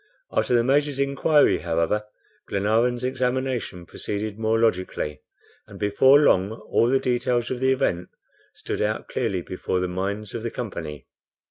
After the Major's inquiry, however, Glenarvan's examination proceeded more logically, and before long all the details of the event stood out clearly before the minds of the company.